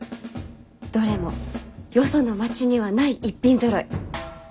どれもよその町にはない逸品ぞろい。